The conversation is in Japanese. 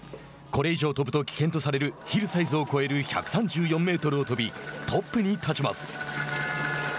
これ以上飛ぶと危険とされるヒルサイズを超える１３４メートルを跳びトップに立ちます。